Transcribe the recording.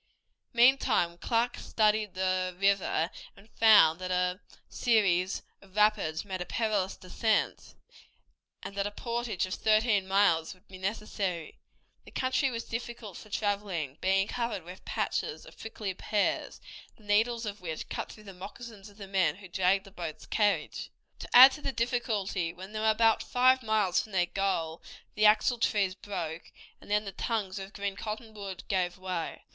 Meantime Clark studied the river and found that a series of rapids made a perilous descent, and that a portage of thirteen miles would be necessary. The country was difficult for traveling, being covered with patches of prickly pears, the needles of which cut through the moccasins of the men who dragged the boat's carriage. To add to the difficulty, when they were about five miles from their goal the axle trees broke, and then the tongues of green cottonwood gave way.